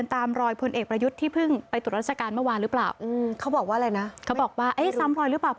พาลูกสาวไปด้วย